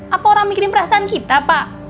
apa orang mikirin perasaan kita pak